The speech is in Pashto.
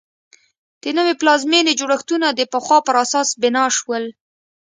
د نوې پلازمېنې جوړښتونه د پخوا پر اساس بنا شول.